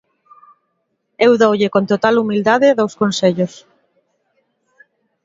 Eu doulle, con total humildade, dous consellos.